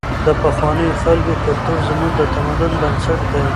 د پخوانیو خلکو کلتور زموږ د تمدن بنسټ دی.